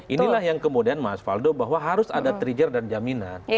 inilah yang kemudian mas faldo bahwa harus ada trigger dan jaminan